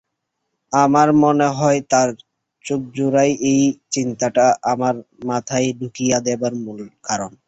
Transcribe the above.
আমার মনে হয় তার চোখজোড়াই এই চিন্তাটা আমার মাথায় ঢুকিয়ে দেবার মূল কারণ।